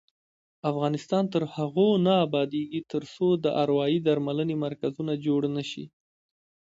افغانستان تر هغو نه ابادیږي، ترڅو د اروايي درملنې مرکزونه جوړ نشي.